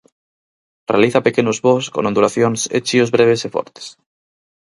Realiza pequenos voos con ondulacións e chíos breves e fortes.